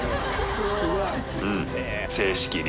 うん正式に。